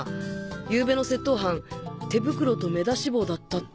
ゆうべの窃盗犯手袋と目出し帽だったって。